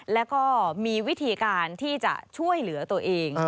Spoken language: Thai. แล้วก็มีวิธีการที่จะช่วยเหลือตัวเอง